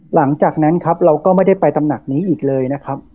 หลังจากนั้นครับเราก็ไม่ได้ไปตำหนักนี้อีกเลยนะครับ